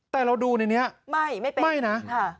แต่เราดูในนี้ไม่ไม่เป็นไม่นะค่ะ